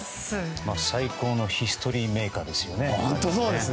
最高のヒストリーメーカーですね。